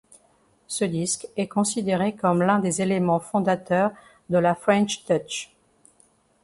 Ce disque est considéré comme l'un des éléments fondateurs de la french touch.